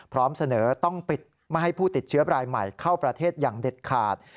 พร้อมเสนอต้องปิดไม่ให้ผู้ติดเชื้อรายใหม่เข้าประเทศอย่างเด็ดขาด